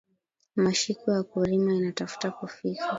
Mashiku ya kurima ina tafuta kufika